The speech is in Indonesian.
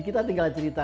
kita tinggal cerita